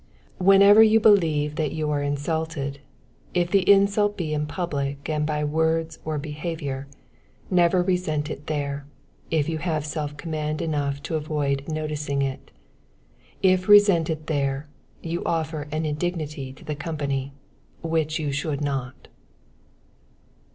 Whenever you believe that you are insulted, if the insult be in public and by words or behavior, never resent it there, if you have self command enough to avoid noticing it. If resented there, you offer an indignity to the company, which you should not.